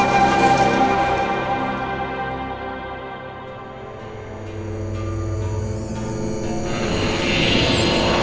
pihak yang kerah